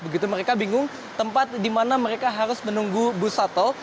begitu mereka bingung tempat di mana mereka harus menunggu bus shuttle